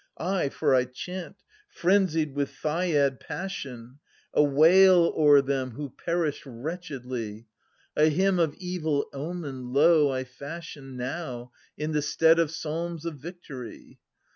Ay, for I chant, frenzied with Thyiad passion, A wail o'er them who perished wretchedly ; A hymn of evil omen, lo, I fashion Now, in the stead of psalms of victory.